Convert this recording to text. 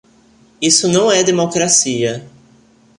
Isso não é democracia